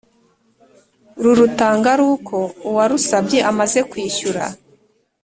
Rurutanga ari uko uwarusabye amaze kwishyura